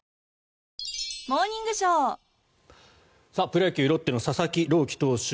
プロ野球ロッテの佐々木朗希投手。